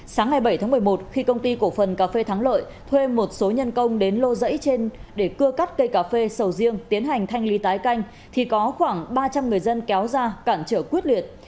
sáng ngày bảy tháng một mươi một khi công ty cổ phần cà phê thắng lợi thuê một số nhân công đến lô rẫy trên để cưa cắt cây cà phê sầu riêng tiến hành thanh lý tái canh thì có khoảng ba trăm linh người dân kéo ra cản trở quyết liệt